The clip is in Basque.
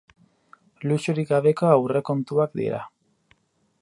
Luxurik gabeko aurrekontuak dira.